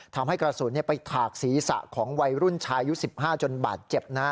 ทำให้กระสุนไปถากศีรษะของวัยรุ่นชายุ๑๕จนบาดเจ็บนะ